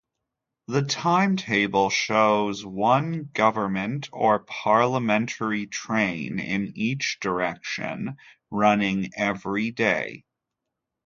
The timetable shows one "government" or Parliamentary train in each direction, running every day.